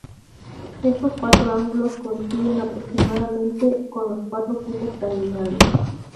Estos cuatro ángulos coinciden aproximadamente con los cuatro puntos cardinales.